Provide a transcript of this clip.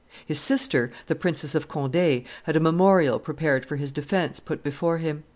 His sister, the Princess of Conde, had a memorial prepared for his defence put before him.